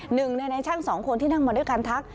หนึ่งในช่างสองคนที่นั่งมาด้วยการทัก